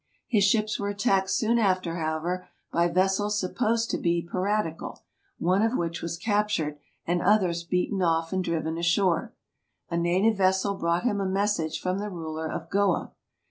His ships were attacked soon after, however, by vessels supposed to be piratical, one of which was captured and others beaten off and driven ashore. A native vessel brought him a message from the ruler of Goa.